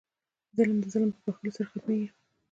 ظلم د ظلم په بښلو سره ختمېږي.